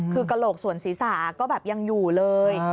คือกระโหลกส่วนศีรษะก็แบบยังอยู่เลย